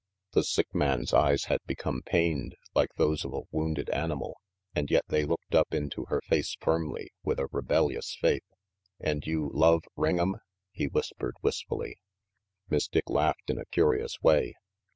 The sick man's eyes had become pained, like those of a wounded animal, and yet they looked up into her face firmly with a rebellious faith. "And you love Ring'em?" he whispered wistfully. Miss Dick laughed in a curious way.